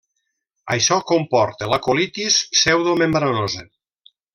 Això comporta la colitis pseudomembranosa.